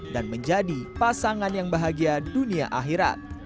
dan menjadi pasangan yang bahagia dunia akhirat